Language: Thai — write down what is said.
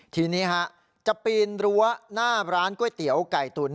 ทีนี้จะปีนรั้วหน้าร้านก๋วยเตี๋ยวไก่ตุ๋น